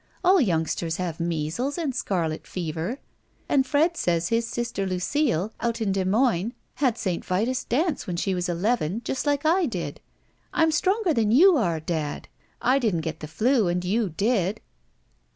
All youngsters have measles and scarlet fever and Fred says his sister Lucile out in Des Moines had St. Vitus* dance when she was eleven, just like I did. I'm stronger than you are, dad. I didn't get the flu and you did."